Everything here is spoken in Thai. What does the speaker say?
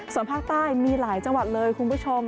ส่วนภาคใต้มีหลายจังหวัดเลยคุณผู้ชม